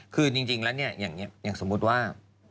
คือจริงแล้วเนี่ยอย่างสมมุติว่า